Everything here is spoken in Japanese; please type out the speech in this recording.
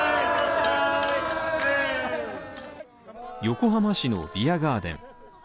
横浜市のビアガーデン。